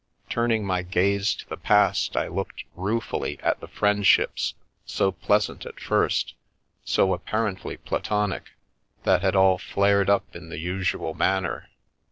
Turning my gaze to the past, I looked ruefully at the friendships, so pleas ant at first, so apparently platonic, that had all flared up in the usual manner.